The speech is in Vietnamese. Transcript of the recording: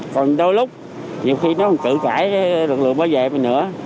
còn đôi lúc nhiều khi nó không tự cãi lực lượng bảo vệ mình nữa